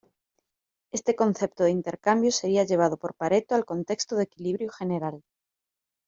Este concepto de intercambio sería llevado por Pareto al contexto de equilibrio general.